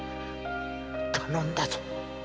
頼んだぞ